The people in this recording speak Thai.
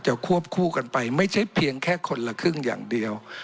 ควบคู่กันไปไม่ใช่เพียงแค่คนละครึ่งอย่างเดียว